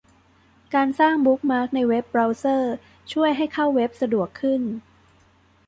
การสร้างบุ๊คมาร์คในเว็บเบราว์เซอร์ช่วยให้เข้าเว็บสะดวกขึ้น